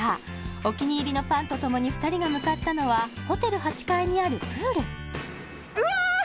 お気に入りのパンとともに２人が向かったのはホテル８階にあるプールうわ！